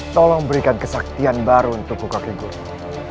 tolong berikan kesaktian baru untukku kakik guru